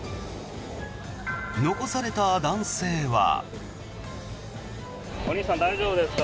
残された男性は。